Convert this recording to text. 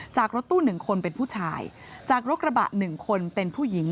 จากรถตู้๑คนเป็นผู้ชายจากรถกระบะ๑คนเป็นผู้หญิง